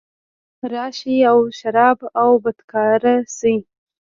راشي او شرابي او بدکرداره شي